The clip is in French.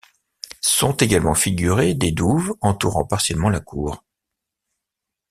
Sont également figurées des douves entourant partiellement la cour.